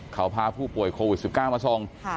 เขาพาผู้ป่วยโควิด๑๙มาส่ง